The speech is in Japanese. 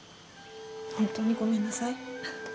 本当にごめんなさい。